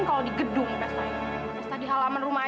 bagus sih undangan gua